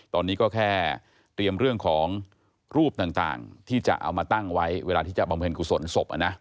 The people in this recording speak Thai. ตอนนี้ก็แค่เตรียมเรื่องของรูปต่างที่จะเอามาตั้งไว้เวลาที่จะบำเพ็ญกุศลศพ